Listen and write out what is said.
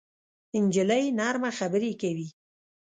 نجلۍ نرمه خبرې کوي.